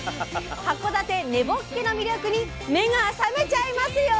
函館根ぼっけの魅力に目が覚めちゃいますよ。